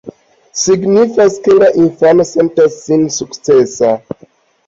Signifas, ke la infano sentas sin sukcesa.